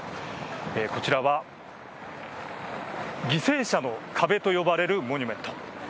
こちらは犠牲者の壁と呼ばれるモニュメント。